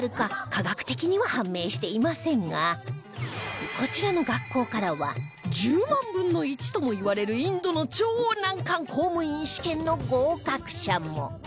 科学的には判明していませんがこちらの学校からは１０万分の１ともいわれるインドの超難関公務員試験の合格者も